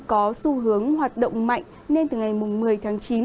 có xu hướng hoạt động mạnh nên từ ngày một mươi tháng chín